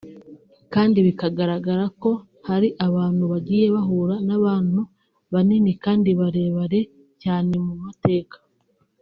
kandi bikagaragaza ko hari abantu bagiye bahura n’abantu banini kandi barebere cyane mu mateka